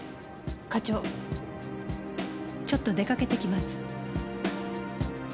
課長ちょっと出かけてきます。